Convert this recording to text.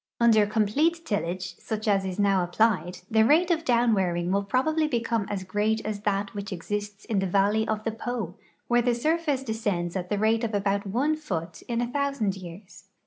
Under complete tillage, such as is now applied, the rate of downwearing will probably become as great as that which exists in the valley of the Po, where the surface descends at the rate of about one foot in a thousand }''ears.